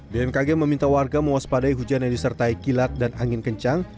bmkg meminta warga mewaspadai hujan yang disertai kilat dan angin kencang